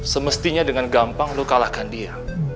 semestinya dengan gampang lo kalahkan dia